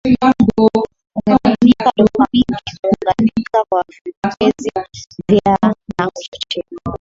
umebainika Dopamini huunganika kwa vipokezi vya na kuchochea